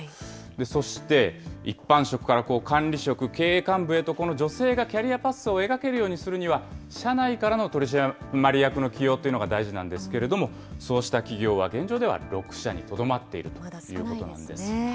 そして、一般職から管理職、経営幹部へと、この女性がキャリアパスを描けるようにするには、社内からの取締役の起用というのが大事なんですけれども、そうした企業は現状では６社にとどまっているということなんです。